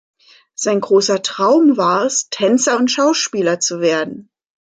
Sein großer Traum war es, Tänzer und Schauspieler zu werden.